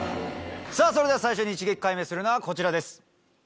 それでは最初に一撃解明するのはこちらです！